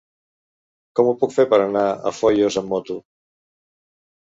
Com ho puc fer per anar a Foios amb moto?